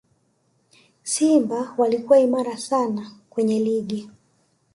simba walikuwa imara sana kwenye ligi